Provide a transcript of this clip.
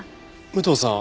武藤さん